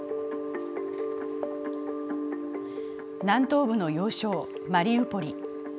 南東部の要衝マリウポリ。